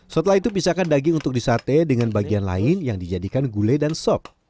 setelah itu pisahkan daging untuk disate dengan bagian lain yang dijadikan gulai dan sop